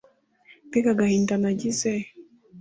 Mbega agahinda nagize